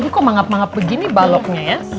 kok mangap mangap begini baloknya ya